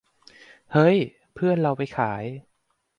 เฮ้ย เพื่อนเราไปขาย